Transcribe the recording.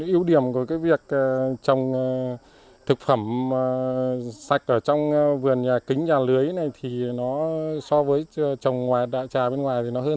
yêu điểm của cái việc trồng thực phẩm sạch ở trong vườn nhà kính nhà lưới này thì nó so với trồng ngoài đại trà bên ngoài thì nó hơn